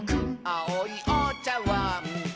「あおいおちゃわん」